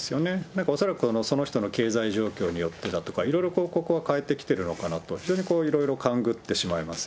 なんか恐らく、その人の経済状況によってだとか、いろいろここは変えてきてるのかなと、非常にいろいろ勘繰ってし